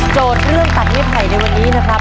เรื่องตัดไม้ไผ่ในวันนี้นะครับ